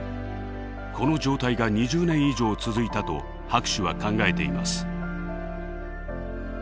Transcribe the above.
この状態が２０年以上続いたと博士は考えています。